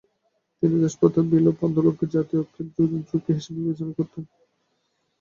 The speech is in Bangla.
তিনি দাসপ্রথা বিলোপ আন্দোলনকে জাতীয় ঐক্যের জন্য ঝুঁকি হিসেবে বিবেচনা করতেন।